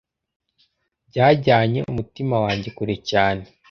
Byajyanye umutima wanjye kure cyane,